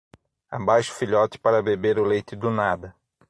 Abaixe o filhote para beber o leite do nada.